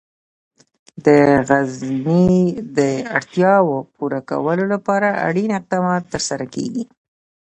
د غزني د اړتیاوو پوره کولو لپاره اړین اقدامات ترسره کېږي.